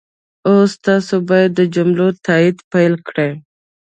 اوس تاسو باید د جملو تایید پيل کړئ.